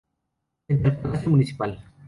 Frente al Palacio Municipal.